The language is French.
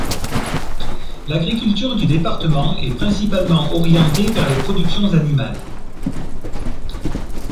L'agriculture du département est principalement orientée vers les productions animales.